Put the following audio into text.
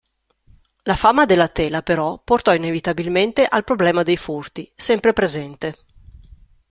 La fama della tela però porto inevitabilmente al problema dei furti, sempre presente.